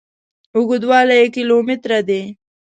اوږدوالي یې کیلو متره دي.